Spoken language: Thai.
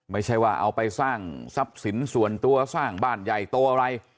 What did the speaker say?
ไม่ใช่ว่าเอาไปสร้างทรัพย์สินส่วนตัวสร้างบ้านใหญ่โตอะไร